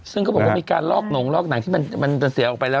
ซึ่งเขาบอกว่ามีการลอกหนงลอกหนังที่มันจะเสียออกไปแล้ว